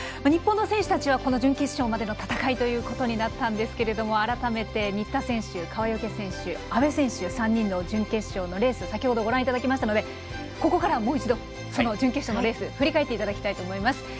日本の選手たちはこの準決勝までの戦いとなったんですけれども改めて新田選手、川除選手阿部選手の３人の準決勝のレースを先ほど、ご覧いただきましたのでここからは、もう一度その準決勝のレースを振り返っていただきたいと思います。